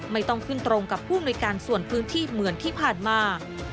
ไม่ต้องขึ้นตรงกับผู้มนุยการส่วนพื้นที่เหมือนที่ผ่านมา